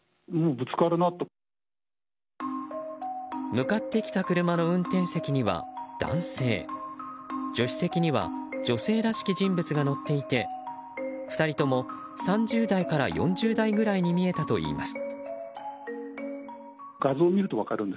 向かってきた車の運転席には男性助手席には女性らしき人物が乗っていて２人とも３０代から４０代ぐらいに見えたといいます。